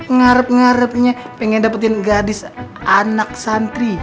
ngarep ngarepnya pengen dapetin gadis anak santri